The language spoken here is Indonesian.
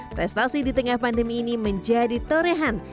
prestasi di tengah pandemi ini menjadi torehan